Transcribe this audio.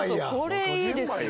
これいいですよ